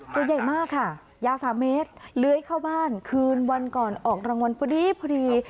ตัวใหญ่มากค่ะยาว๓เมตรเลื้อยเข้าบ้านคืนวันก่อนออกรางวัลพอดีพอดี